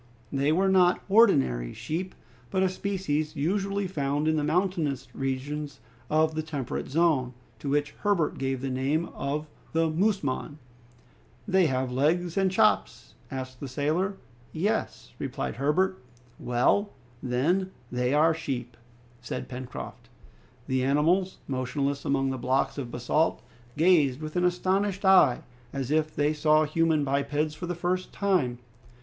They were not ordinary sheep, but a species usually found in the mountainous regions of the temperate zone, to which Herbert gave the name of the musmon. "Have they legs and chops?" asked the sailor. "Yes," replied Herbert. "Well, then, they are sheep!" said Pencroft. The animals, motionless among the blocks of basalt, gazed with an astonished eye, as if they saw human bipeds for the first time.